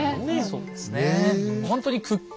そうですよね。